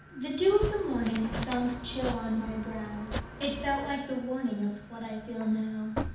The dew of the morningSunk chill on my brow; It felt like the warningOf what I feel now.